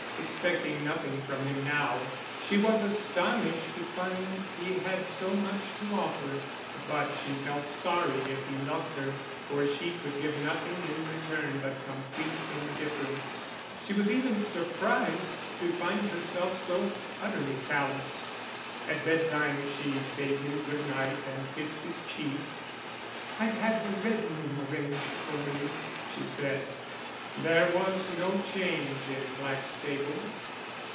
Expecting nothing from him now, she was astonished to find he had so much to offer. But she felt sorry if he loved her, for she could give nothing in return but complete indifference; she was even surprised to find herself so utterly callous. At bedtime she bade him good night, and kissed his cheek. "I've had the red room arranged for me," she said. There was no change in Blackstable.